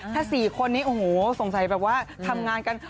ถ้า๔คนนี้โอ้โหสงสัยแบบว่าทำงานกัน